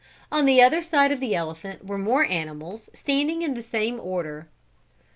On the other side of the elephant were more animals standing in the same order.